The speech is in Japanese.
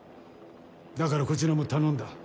だからこちらも頼んだ。